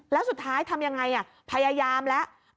แล้วสุดท้ายทำยังไงพยายามแล้ว